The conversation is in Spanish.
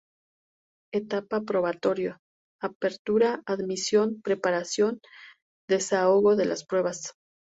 Etapa probatoria; apertura, admisión, preparación y desahogo de las pruebas.